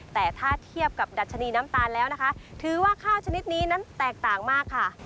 แต่ถ้าเทียบกับดัชนีน้ำตาลแล้วนะคะถือว่าข้าวชนิดนี้นั้นแตกต่างมากค่ะ